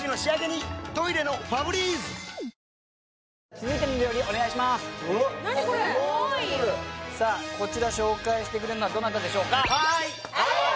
続いての料理お願いしますさあこちら紹介してくれるのはどなたでしょうか？